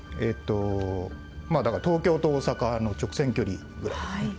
まあだから東京と大阪の直線距離ぐらい。